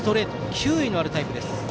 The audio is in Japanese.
球威のあるタイプです。